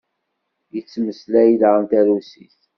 Yettmeslay daɣen tarusit.